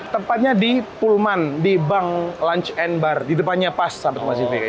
tempatnya di pullman di bank lunch bar di depannya pas sabar sabar sivy